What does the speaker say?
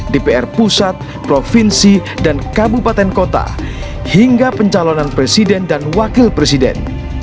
dpr pusat provinsi dan kabupaten kota hingga pencalonan presiden dan wakil presiden